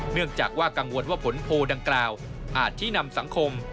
เนื่องจากว่ากังวลว่าผลโพลดังกล่าวอาจชี้นำสังคม